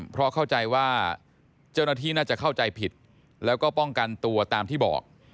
เพราะเข้าใจว่าเจ้าหน้าที่น่าจะเข้าใจผิดแล้วก็ป้องกันตัวตามที่บอก